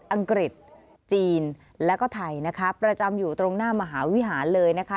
อังกฤษจีนแล้วก็ไทยนะคะประจำอยู่ตรงหน้ามหาวิหารเลยนะคะ